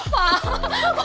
pak pak kenapa pak